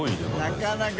なかなか。